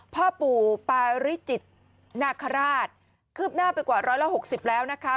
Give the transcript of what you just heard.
พ่อปู่ปาริจิตนาคาราชคืบหน้าไปกว่า๑๖๐แล้วนะคะ